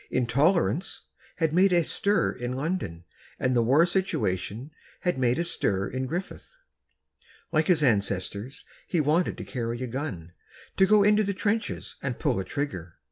"Intolerance" had made a stir in London, and the war situation had made a stir in Griffith. Like his ancestors, he wanted to carry a gun—to go into the trenches and pull a trigger.